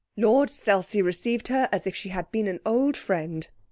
Lord Selsey received her as if she had been an old friend.